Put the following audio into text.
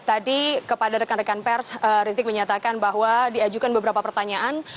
tadi kepada rekan rekan pers rizik menyatakan bahwa diajukan beberapa pertanyaan